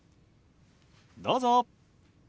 どうぞ。